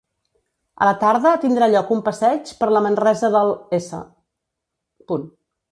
A la tarda, tindrà lloc un passeig per la Manresa del s.